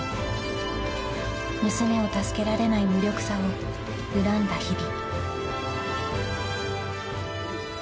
［娘を助けられない無力さを恨んだ日々］